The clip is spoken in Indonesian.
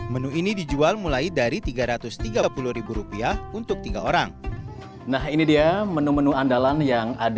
menu ini dijual mulai dari rp tiga ratus tiga puluh untuk tiga orang